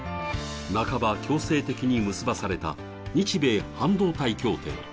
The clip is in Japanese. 半ば強制的に結ばされた日米半導体協定。